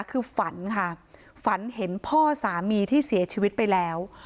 คือฝันค่ะฝันเห็นพ่อสามีที่เสียชีวิตไปแล้ว